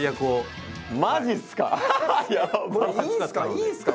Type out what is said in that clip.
いいんすか？